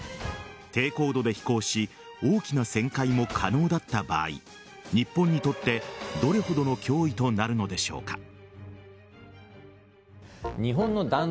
低高度で飛行し大きな旋回も可能だった場合日本にとって、どれほどの脅威となるのでしょうか。